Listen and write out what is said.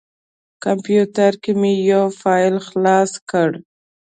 کمپیوټر کې مې یو فایل خلاص کړ.